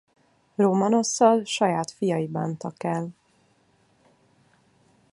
Rómanosszal saját fiai bántak el.